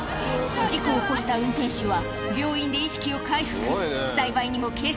事故を起こした運転手は病院で意識を回復。